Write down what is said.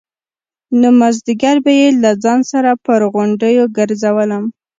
نو مازديگر به يې له ځان سره پر غونډيو گرځولم.